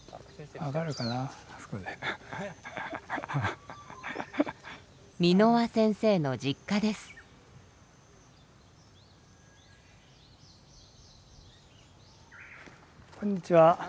ああこんにちは。